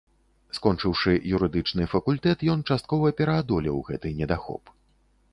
Скончыўшы юрыдычны факультэт, ён часткова пераадолеў гэты недахоп.